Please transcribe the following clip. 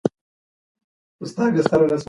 ټولنیز پیوستون باید پیاوړی سي.